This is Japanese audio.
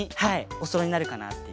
おそろいになるかなっていう。